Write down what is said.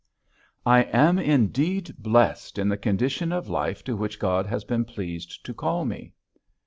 'I am indeed blessed in the condition of life to which God has been pleased to call me.'